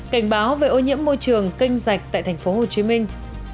cảnh báo về ô nhiễm môi trường kênh dạch tại thành phố hồ chí minh